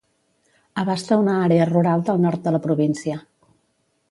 Abasta una àrea rural del nord de la província.